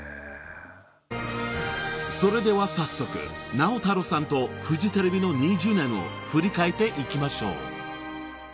［それでは早速直太朗さんとフジテレビの２０年を振り返っていきましょう］